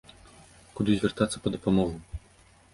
Куды звяртацца па дапамогу?